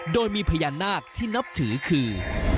โดยมีพญานาคที่นับถือคือ